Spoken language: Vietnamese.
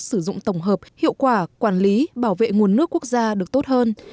sử dụng tổng hợp hiệu quả quản lý bảo vệ nguồn nước quốc gia được tốt hơn